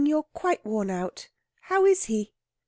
you are quite worn out. How is he?"